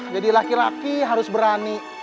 jadi laki laki harus berani